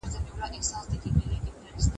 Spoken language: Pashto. تاسو چي ول دوی به بالا درسره ملګري سي